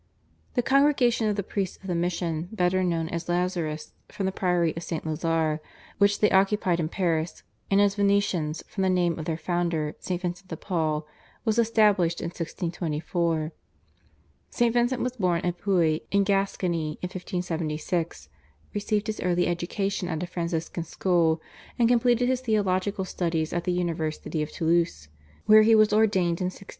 The Congregation of the Priests of the Mission, better known as Lazarists from the priory of St. Lazare which they occupied in Paris, and as Vincentians from the name of their founder, St. Vincent de Paul, was established in 1624. St. Vincent was born at Pouy in Gascony in 1576, received his early education at a Franciscan school, and completed his theological studies at the University of Toulouse, where he was ordained in 1600.